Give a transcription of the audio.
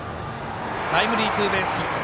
タイムリーツーベースヒット。